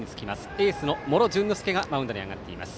エースの茂呂潤乃介がマウンドに上がっています。